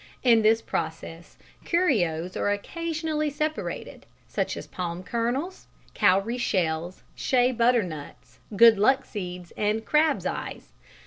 In this process curios are occasionally separated, such as palm kernels, cowrie shells, shea butter nuts, good luck seeds and "crab's eyes."